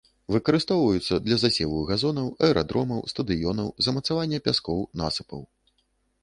Выкарыстоўваюцца для засеву газонаў, аэрадромаў, стадыёнаў, замацавання пяскоў, насыпаў.